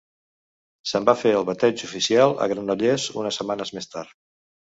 Se'n va fer el bateig oficial a Granollers unes setmanes més tard.